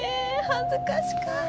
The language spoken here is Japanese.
恥ずかしかぁ。